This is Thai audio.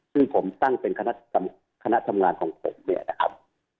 ซึ่งผมตั้งเป็นคณะทำงานของผมเนี่ยนะครับ